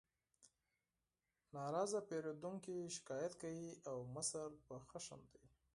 ناراضه پیرودونکي شکایت کوي او مشر په غوسه وي